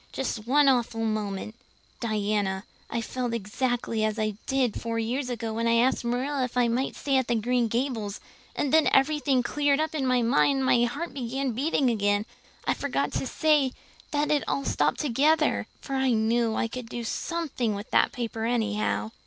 Just one awful moment Diana, I felt exactly as I did four years ago when I asked Marilla if I might stay at Green Gables and then everything cleared up in my mind and my heart began beating again I forgot to say that it had stopped altogether! for I knew I could do something with that paper anyhow.